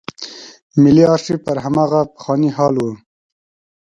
ملي آرشیف پر هماغه پخواني حال و.